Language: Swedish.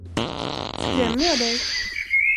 Skrämmer jag dig?